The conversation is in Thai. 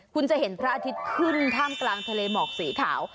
คุณจะเห็นพระอาทิตย์ขึ้นท่ามกลางทะเลหมอกสีขาว